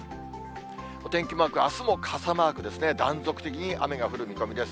お天気マーク、あすも傘マークですね、断続的に雨が降る見込みです。